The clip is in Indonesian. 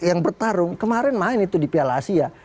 yang bertarung kemarin main itu di piala asia